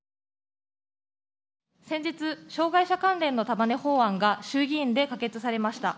先日、障害者関連の束ね法案が、衆議院で可決されました。